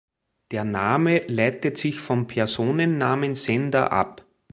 Der Name leitet sich vom Personennamen Sander ab.